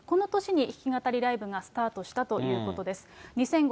その年に弾き語りライブがスタートしたということです。